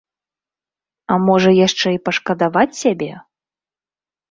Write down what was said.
А можа, яшчэ і пашкадаваць сябе?